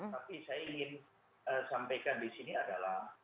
tapi saya ingin sampaikan di sini adalah